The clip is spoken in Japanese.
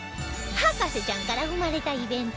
『博士ちゃん』から生まれたイベント